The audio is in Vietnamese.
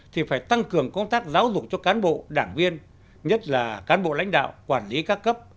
thì phải tăng cường công tác giáo dục cho cán bộ đảng viên nhất là cán bộ lãnh đạo quản lý các cấp